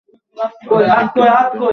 কিছু একটা বলুন আমাদের!